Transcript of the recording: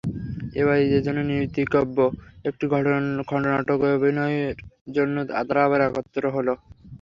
এবার ঈদের জন্য নির্মিতব্য একটি খণ্ডনাটকে অভিনয়ের জন্য তাঁরা আবার একত্র হলেন।